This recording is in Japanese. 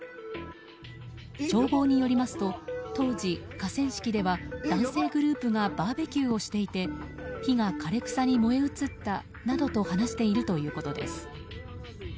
消防によりますと当時、河川敷では男性グループがバーベキューをしていて火が枯れ草に燃え移ったなどと話しているということです。